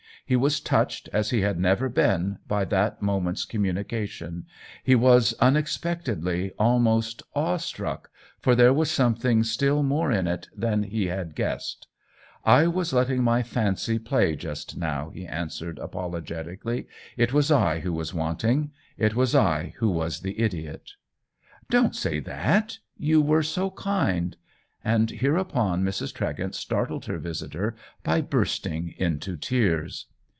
He was touched as he had never been by that moment's communication , he was, unexpectedly, al most awe struck, for there was something still more in it than he had guessed. "I was letting my fancy play just now," he an swered, apologetically. " It was I who was wanting^t was I who was the idiot !"" Don't say that. You were so kind." And hereupon Mrs. Tregent startled her visitor by bursting into tears.